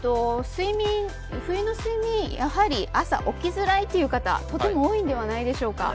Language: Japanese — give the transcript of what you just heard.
冬の睡眠やはり朝、起きづらいという方とても多いではないでしょうか。